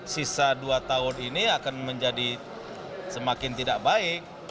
sisa dua tahun ini akan menjadi semakin tidak baik